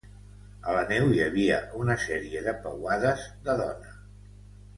A la neu hi havia una sèrie de peuades de dona.